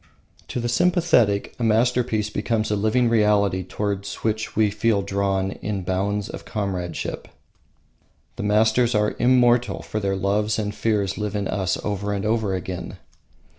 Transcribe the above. To the sympathetic a masterpiece becomes a living reality towards which we feel drawn in bonds of comradeship. The masters are immortal, for their loves and fears live in us over and over again.